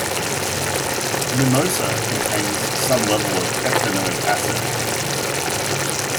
Mimosa contains some level of heptanoic acid.